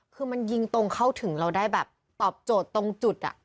คือมันยิงตรงเข้าถึงเราได้แบบตอบโจทย์ตรงจุด